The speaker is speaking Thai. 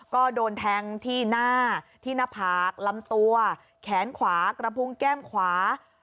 ก็โดนแทงที่หน้าที่หน้าผากลำตัวแขนขวากระพุงแก้มขวา